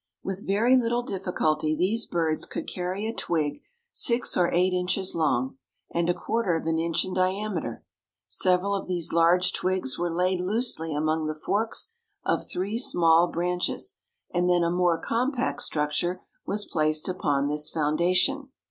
With very little difficulty these birds could carry a twig six or eight inches long and a quarter of an inch in diameter. Several of these large twigs were laid loosely among the forks of three small branches and then a more compact structure was placed upon this foundation.